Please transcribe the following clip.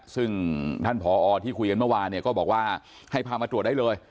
ซึ่งท่านผอที่คุยกันเมื่อวานเนี่ยก็บอกว่าให้พามาตรวจได้เลย